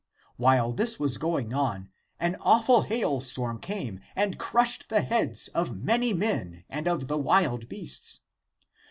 While this was going on, an awful hailstorm came and crushed the heads of many men and of the wild beasts.